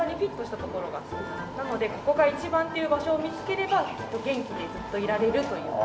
なのでここが一番っていう場所を見つければきっと元気でずっといられるという。